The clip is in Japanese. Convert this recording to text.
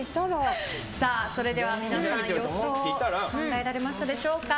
それでは、皆さん予想を考えましたでしょうか。